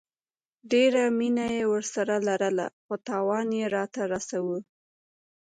ډيره مينه ورسره لرله خو تاوان يي راته رسوو